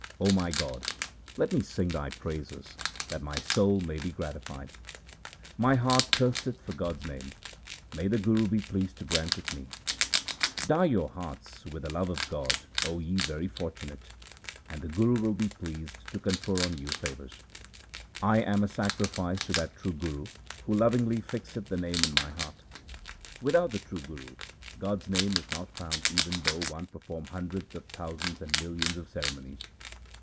0 my God, let me sing Thy praises that my soul may be gratified. My heart thirsteth for God's name ; may the Guru be pleased to grant it me ! Dye your hearts with the love of God, O ye very fortunate, and the Guru will be pleased to confer on you favours. 1 am a sacrifice to that true Guru who lovingly fixeth the Name in my heart. Without the true Guru, God's name is not found even though one perform hundreds of thousands and millions of ceremonies.